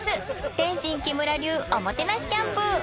天津木村流おもてなしキャンプ！